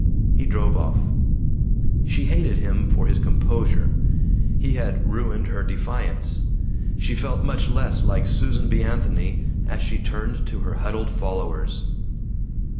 He drove off. She hated him for his composure. He had ruined her defiance. She felt much less like Susan B. Anthony as she turned to her huddled followers.